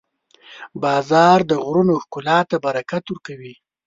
• باران د غرونو ښکلا ته برکت ورکوي.